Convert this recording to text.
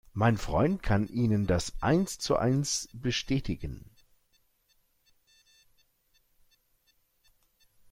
Mein Freund kann Ihnen das eins zu eins bestätigen.